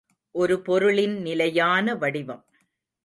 ஒரு பொருளின் நிலையான வடிவம்.